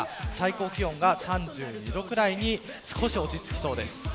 最高気温が３２度くらいに少し落ち着きそうです。